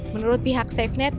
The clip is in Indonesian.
menurut pihak safenet